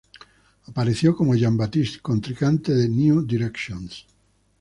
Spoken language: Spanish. Apareció como Jean-Baptiste, contrincante de "New Directions".